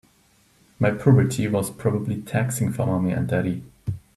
My puberty was probably taxing for mommy and daddy.